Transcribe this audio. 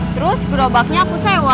terus growbacknya aku sewa